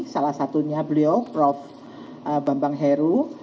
salah satunya beliau prof bambang heru